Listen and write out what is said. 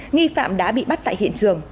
nghi phạm đã bị bắt tại hiện trường